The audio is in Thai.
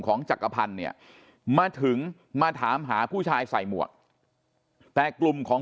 จักรพันธ์เนี่ยมาถึงมาถามหาผู้ชายใส่หมวกแต่กลุ่มของ